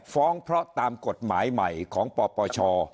ฟ้องเพราะตามกฎหมายใหม่ของปปช